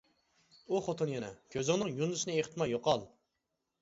ئۇ خوتۇن يەنە:-كۆزۈڭنىڭ يۇندىسىنى ئېقىتماي يوقال!